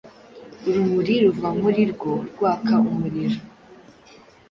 urumuri ruva muri rwo rwaka umuriro